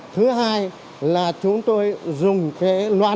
thứ hai là chúng tôi dùng cái